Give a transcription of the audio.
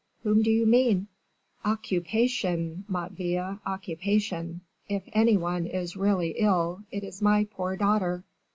whom do you mean?" "Occupation, Motteville, occupation. If any one is really ill, it is my poor daughter."